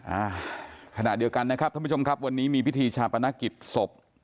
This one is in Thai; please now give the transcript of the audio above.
อ่าขณะเดียวกันนะครับท่านผู้ชมครับวันนี้มีพิธีชาปนกิจศพ